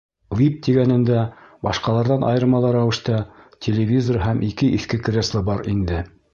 «Вип» тигәнендә, башҡаларҙан айырмалы рәүештә, телевизор һәм ике иҫке кресло бар инде.